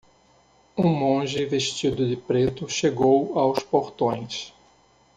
Um monge vestido de preto chegou aos portões.